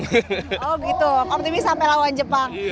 oh gitu optimis sampai lawan jepang